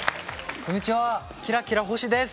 こんにちはキラキラＨＯＳＨＩです！